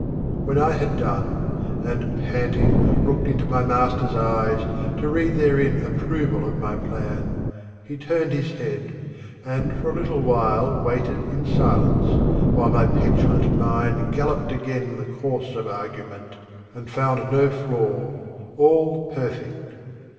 When I had done, And, panting, looked into my master's eyes To read therein approval of my plan, He turned his head, and for a little while Waited in silence, while my petulant mind Galloped again the course of argument 9i THE GRAVE OF OMAR KHAYYAM And found no flaw, all perfect.